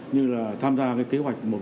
như là tham gia kế hoạch một trăm bốn mươi một